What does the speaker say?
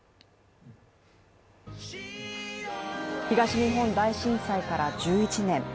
東日本大震災から１１年。